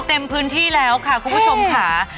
เต็มพื้นที่แล้วค่ะคุณผู้ชมค่ะ